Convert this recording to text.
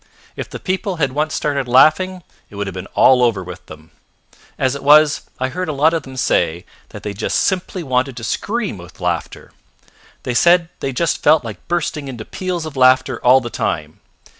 If the people had once started laughing it would have been all over with them. As it was I heard a lot of them say that they simply wanted to scream with laughter: they said they just felt like bursting into peals of laughter all the time.